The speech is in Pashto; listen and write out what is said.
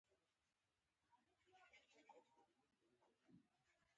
ما ورته وویل: زه له هر لحاظه ښه او روغ یم.